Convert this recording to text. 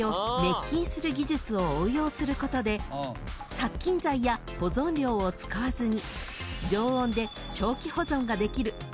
［殺菌剤や保存料を使わずに］